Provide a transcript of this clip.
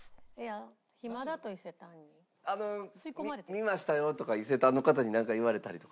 「見ましたよ」とか伊勢丹の方になんか言われたりとか？